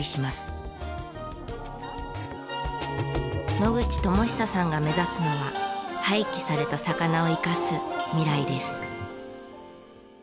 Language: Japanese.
野口朋寿さんが目指すのは廃棄された魚を生かす未来です。